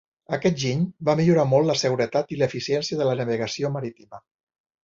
Aquest giny va millorar molt la seguretat i l'eficiència de la navegació marítima.